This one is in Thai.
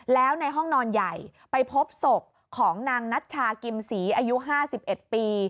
แล้วในห้องนอนใหญ่ไปพบศพของนางนัชชากิมศรีอายุ๕๑ปี